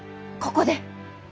ここで！